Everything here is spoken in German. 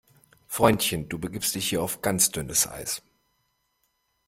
Freundchen, du begibst dich hier auf ganz dünnes Eis!